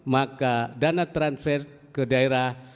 maka dana transfer ke daerah